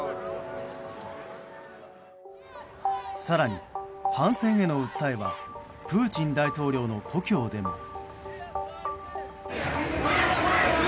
更に反戦への訴えはプーチン大統領の故郷でも。